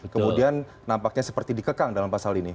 kemudian nampaknya seperti dikekang dalam pasal ini